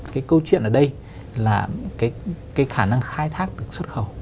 cái câu chuyện ở đây là cái khả năng khai thác được xuất khẩu